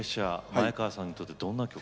前川さんにとってどんな曲ですか。